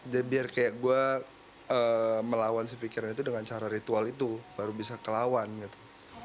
jadi biar kayak gue melawan si pikiran itu dengan cara ritual itu baru bisa kelawan gitu